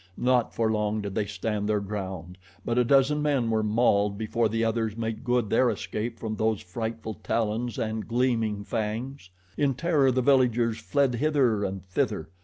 Not for long did they stand their ground; but a dozen men were mauled before the others made good their escape from those frightful talons and gleaming fangs. In terror the villagers fled hither and thither.